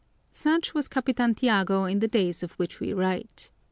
Such was Capitan Tiago in the days of which we write.